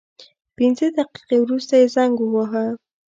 پنځه دقیقې وروسته یې زنګ وواهه.